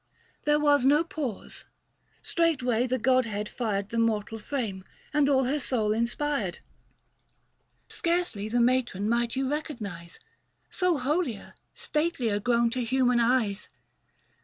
There was no pause ; straightway the godhead fired The mortal frame, and all her soul inspired. Scarcely the matron might you recognise, 645 So holier, statelier grown to human eyes.